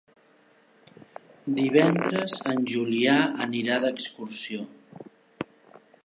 Divendres en Julià anirà d'excursió.